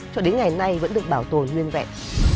cho đến ngày nay vẫn được bảo tồn nguyên vẹn